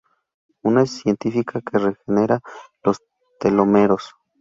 Una científica que regenera los telómeros.